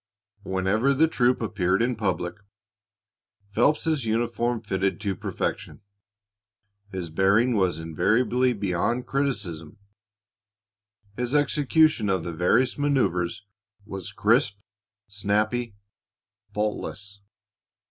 Whenever the troop appeared in public, Phelps's uniform fitted to perfection, his bearing was invariably beyond criticism, his execution of the various manoeuvers was crisp, snappy, faultless.